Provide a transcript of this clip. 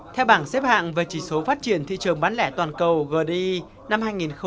theo bảng xếp hạng về chỉ số phát triển thị trường bán lẻ toàn cầu grdi năm hai nghìn một mươi sáu